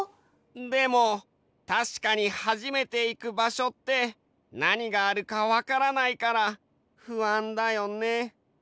でもたしかに初めていく場所ってなにがあるかわからないから不安だよね。